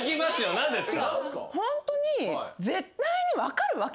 何ですか？